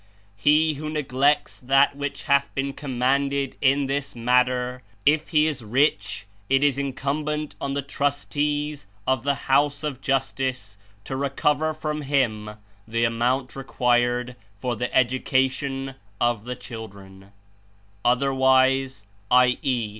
He who neglects that which hath been commanded (in this matter) , if he is rich, it is incumbent on the trustees (of the House of Justice) to recover from him the amount required for the ed ucation of the children; otherwise (i. e.